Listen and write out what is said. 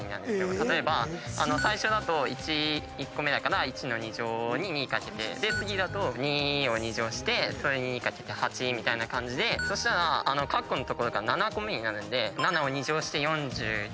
例えば最初だと１１個目だから１の２乗に２掛けて次だと２を２乗してそれに２掛けて８みたいな感じでそしたらかっこの所が７個目になるんで７を２乗して４９。